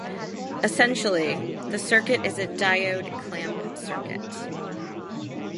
Essentially, the circuit is a diode clamp circuit.